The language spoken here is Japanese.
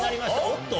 おっと！